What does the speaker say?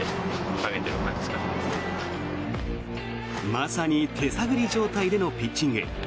まさに手探り状態でのピッチング。